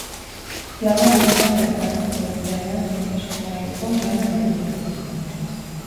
Planoak luzeak eta kantu georgianoak, itsaso zabaleko lana mitifikatzeko.